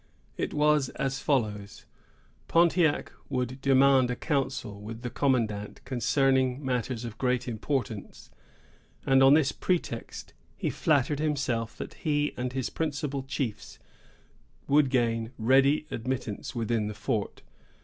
It was as follows: Pontiac would demand a council with the commandant concerning matters of great importance; and on this pretext he flattered himself that he and his principal chiefs would gain ready admittance within the fort.